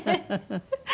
フフフフ。